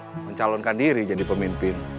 mencalonkan diri jadi pemimpin